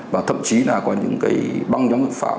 và thậm chí là có những cái băng nhóm tội phạm